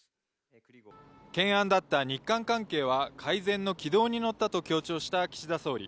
懸案だった日韓関係は改善の軌道に乗ったと強調した岸田総理。